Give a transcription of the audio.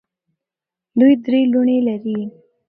دوی درې لوڼې لري.